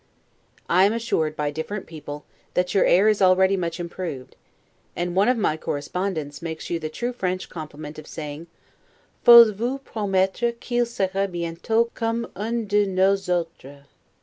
I am assured by different people, that your air is already much improved; and one of my correspondents makes you the true French compliment of saying, 'F'ose vous promettre qu'il sera bientot comme un de nos autres'.